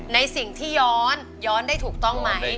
ในสิ่งที่ย้อนย้อนได้ถูกต้องไหม